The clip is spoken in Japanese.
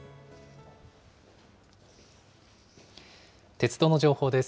鉄道の情報です。